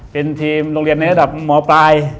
เป็นทีมโรงเรียนในระดับหมอปลาย